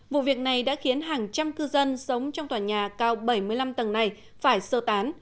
vụ việc này đã khiến hàng trăm cư dân sống trong tòa nhà cao bảy mươi năm tầng này phải sơ tán